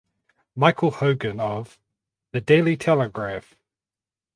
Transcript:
Michael Hogan of "The Daily Telegraph".